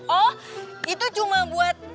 oh itu cuma buat